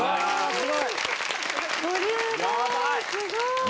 すごい！